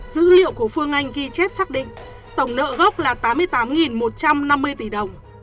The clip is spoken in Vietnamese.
dữ liệu của phương anh ghi chép xác định tổng nợ gốc là tám mươi tám một trăm năm mươi tỷ đồng